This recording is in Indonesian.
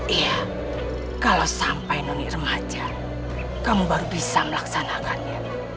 iya kalau sampai noni remaja kamu baru bisa melaksanakannya